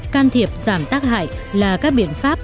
can thiệp giảm tác hại là các biện pháp